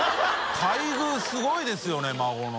垓すごいですよね孫の。